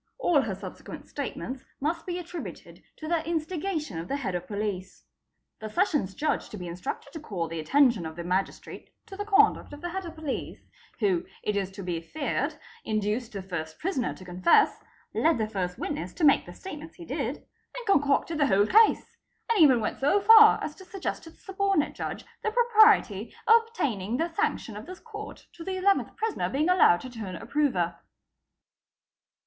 All her subsequent statements must be attributed to the instigation of the Head of Police. The Sessions Judge to be instructed to call the attention of the Magistrate to the conduct of the Head of Police, who, it is to be feared, induced the Ist prisoner to confess, led the 1st witness to make the state ments he did,—and concocted the whole case; and even went so far as to suggest to the Subordinate Judge the propriety of obtaining the sanction of this Court to the 11th prisoner being allowed to turn approver."